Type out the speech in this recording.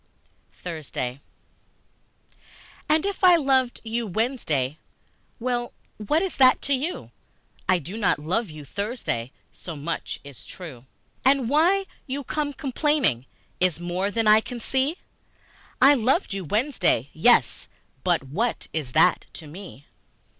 Thursday AND if I loved you Wednesday, Well, what is that to you? I do not love you Thursday So much is true. And why you come complaining Is more than I can see. I loved you Wednesday, yes but what Is that to me?